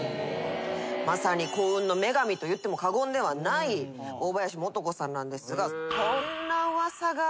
まさに幸運の女神といっても過言ではない大林素子さんなんですが。